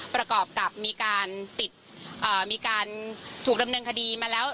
ประกอบกับมีการติดมีการถูกดำเนินคดีมาแล้ว